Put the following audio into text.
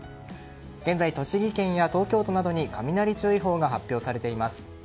現在、栃木県や東京都などに雷注意報が発表されています。